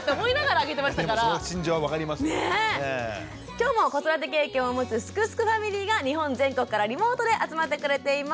今日も子育て経験を持つ「すくすくファミリー」が日本全国からリモートで集まってくれています。